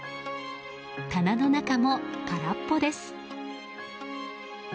棚の中も空っぽです。